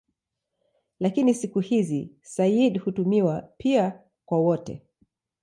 Lakini siku hizi "sayyid" hutumiwa pia kwa wote.